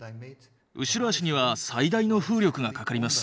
後ろ足には最大の風力がかかります。